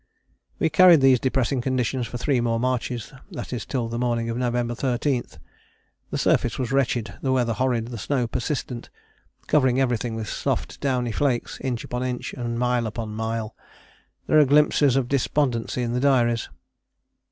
We carried these depressing conditions for three more marches, that is till the morning of November 13. The surface was wretched, the weather horrid, the snow persistent, covering everything with soft downy flakes, inch upon inch, and mile upon mile. There are glimpses of despondency in the diaries.